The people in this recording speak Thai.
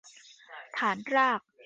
ฐานราก